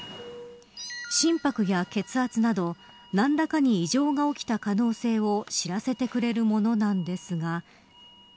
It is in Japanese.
心拍や血圧など何らかに異常が起きた可能性を知らせてくれるものなんですが。